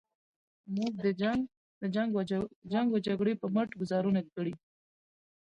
موږ د جنګ و جګړو په مټ ګوزارونه کړي.